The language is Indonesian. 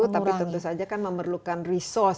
tapi tentu saja kan memerlukan resurs ya